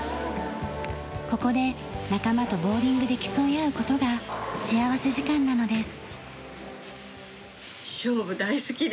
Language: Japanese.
ここで仲間とボウリングで競い合う事が幸福時間なのです。